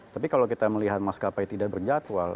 tapi kalau kita melihat maskapai tidak berjadwal